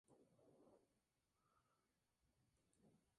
Field nació en Lenox, Massachusetts.